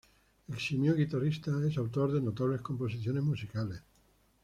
Eximio guitarrista, es autor de notables composiciones musicales.